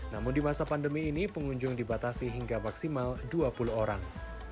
namun di masa pandemi ini pengunjung dibatasi hingga maksimal dua puluh orang